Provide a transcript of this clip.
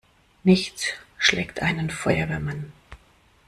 Nichts schlägt einen Feuerwehrmann!